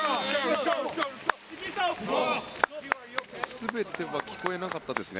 全ては聞こえなかったですね